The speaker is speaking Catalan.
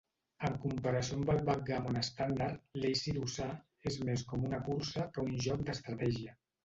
En comparació amb el backgammon estàndard, l'"acey-deucey" és més com una cursa que un joc d'estratègia.